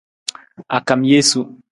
A kam jesu.